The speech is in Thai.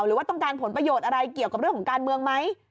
หรือว่าต้องการผลประโยชน์อะไรเกี่ยวกับเรื่องของการเมืองไหม